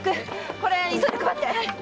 これ急いで配って。